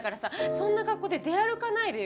そんな格好で出歩かないでよ。